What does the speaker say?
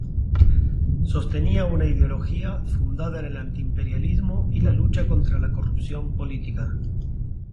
Sostenía una ideología fundada en el antiimperialismo y la lucha contra la corrupción política.